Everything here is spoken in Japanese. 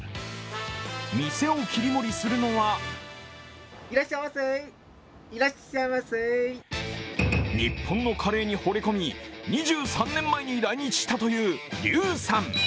店を切り盛りするのは日本のカレーにほれ込み２３年前に来日したという劉さん。